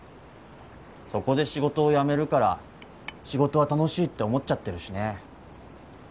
そこで仕事を辞めるから仕事は楽しいって思っちゃってるしね